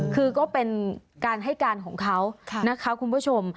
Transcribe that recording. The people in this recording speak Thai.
คือก็เป็นการให้การของเขานะคะคุณผู้ชม